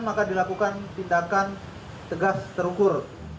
maka dilakukan tindakan tegas terukur